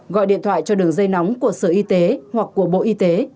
gọi điện thoại cho đường dây nóng của sở y tế hoặc của bộ y tế